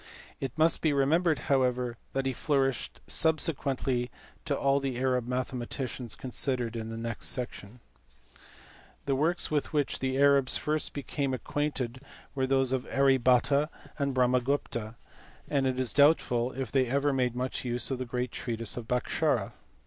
It must be remembered however that he flourished subsequently to all the Arab mathematicians considered in the next section. miASKARA. 1G1 The works with which the Arabs first became acquainted were those of Arya Bhata and Brahmagupta, and it is doubtful if they ever made much use of the great treatise of Bhaskara.